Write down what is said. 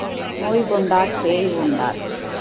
நோய் கொண்டார் பேய் கொண்டார்.